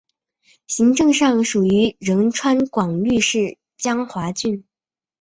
行政上属于仁川广域市江华郡。